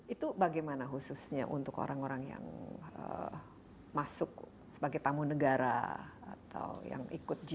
itu bagaimana khususnya untuk orang orang yang masuk sebagai tamu negara atau yang ikut g dua puluh